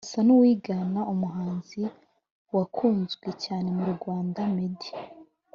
asa n’uwigana umuhanzi wakunzwe cyane mu Rwanda Meddy